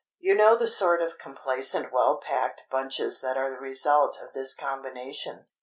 You know the sort of complacent well packed bunches that are the result of this combination.